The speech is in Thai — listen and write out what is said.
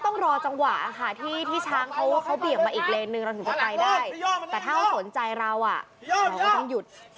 น้องมีนตัวใหญ่มากชื่อชื่อชื่ออะไรเอ็นดู